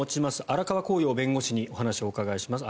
荒川香遥弁護士にお話をお伺いします。